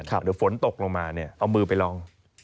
หรือฝนตกลงมาเอามือไปลอง